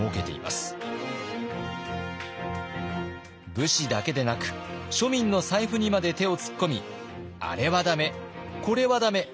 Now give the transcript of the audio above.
武士だけでなく庶民の財布にまで手を突っ込みあれは駄目これは駄目。